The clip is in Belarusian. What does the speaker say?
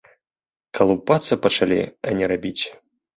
Калупацца пачалі, а не рабіць.